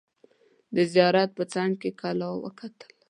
د زیارت په څنګ کې کلا وکتل.